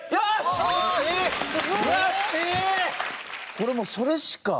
これもうそれしか。